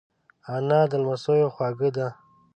انا د لمسیو خواږه ده